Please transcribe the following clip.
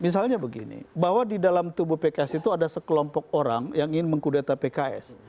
misalnya begini bahwa di dalam tubuh pks itu ada sekelompok orang yang ingin mengkudeta pks